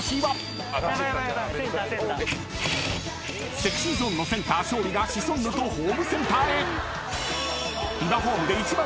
［ＳｅｘｙＺｏｎｅのセンター勝利がシソンヌとホームセンターへ］